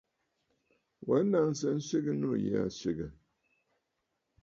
Wa a naŋsə nswegə nû yì aa swègə̀.